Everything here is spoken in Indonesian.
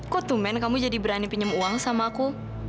kok tumen kamu jadi berani pinjem uang sama aku